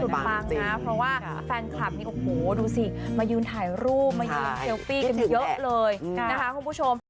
ปังนะเพราะว่าแฟนคลับนี่โอ้โหดูสิมายืนถ่ายรูปมายืนเซลฟี่กันเยอะเลยนะคะคุณผู้ชม